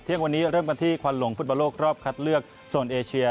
ยังวันนี้เริ่มกันที่ควันหลงฟุตบอลโลกรอบคัดเลือกโซนเอเชีย